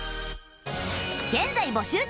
現在募集中！